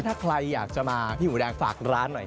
ถ้าใครอยากจะมาพี่หมูแดงฝากร้านหน่อย